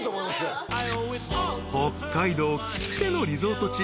［北海道きってのリゾート地